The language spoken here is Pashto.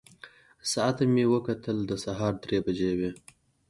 ساعت ته مې وکتل، د سهار درې بجې وې.